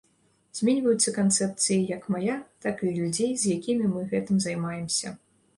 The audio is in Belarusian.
Зменьваюцца канцэпцыі як мая, так і людзей, з якімі мы гэтым займаемся.